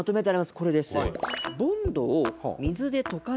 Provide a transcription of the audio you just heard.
これです。